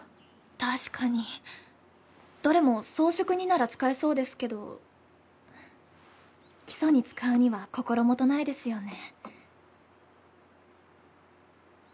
確かにどれも装飾になら使えそうですけど基礎に使うには心もとないですよね。